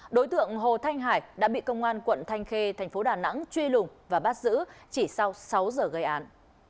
đối tượng hồ thanh hải đã bị công an quận thanh khê thành phố đà nẵng truy lùng và bắt giữ chỉ sau sáu giờ gây án